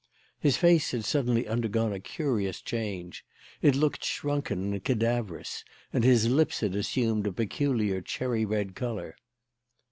His face had suddenly undergone a curious change. It looked shrunken and cadaverous and his lips had assumed a peculiar cherry red colour.